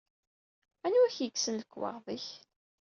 Anwa i wen-yekksen lekwaɣeḍ-ik?